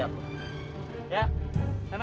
bapak susah hidup sendiri